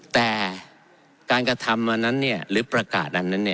แต่การกระทำอันนั้นหรือประกาศอันนั้น